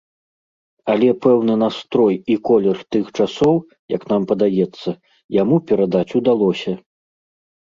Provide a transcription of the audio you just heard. Але пэўны настрой і колер тых часоў, як нам падаецца, яму перадаць удалося.